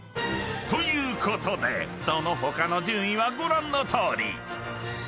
［ということでその他の順位はご覧のとおり］